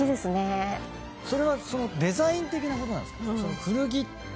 それはデザイン的なことなんですか？